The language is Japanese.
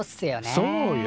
そうよ。